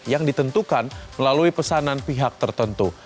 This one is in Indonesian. yang ditentukan melalui pesanan pihak tertentu